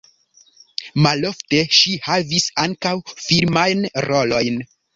Malofte ŝi havis ankaŭ filmajn rolojn.